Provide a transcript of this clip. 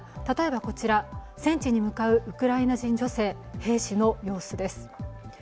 例えばこちら、戦地に向かうウクライナ人女性、兵士の様子です。